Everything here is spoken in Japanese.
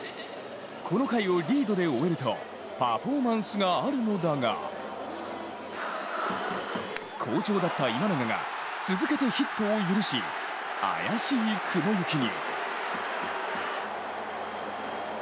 この回をリードで終えるとパフォーマンスがあるのだが好調だった今永が続けてヒットを許し怪しい雲行きに。